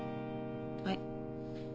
はい。